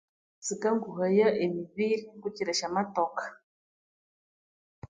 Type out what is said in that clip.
Sikanguhaya emibiri kukyire syamatokà